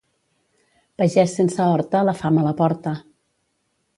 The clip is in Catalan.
Pagès sense horta, la fam a la porta.